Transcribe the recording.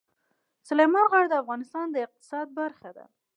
سلیمان غر د افغانستان د اقتصاد برخه ده.